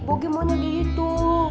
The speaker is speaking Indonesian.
bogey mau jadi itu